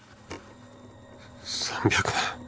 ３００万。